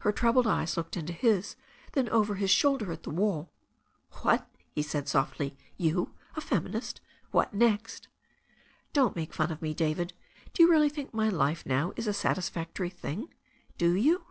Her troubled eyes looked into his and then over his shoulder at the wall. "What!" he laughed softly. "You a feminist! What next?" "Don't make fun of me, David. Do you really think my life now is a satisfactory thing ? Do you